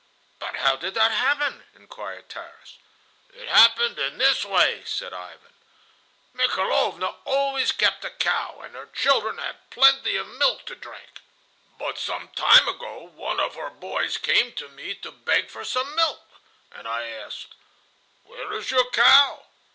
"But how did that happen?" inquired Tarras. "It happened in this way," said Ivan. "Mikhailovna always kept a cow, and her children had plenty of milk to drink; but some time ago one of her boys came to me to beg for some milk, and I asked, 'Where is your cow?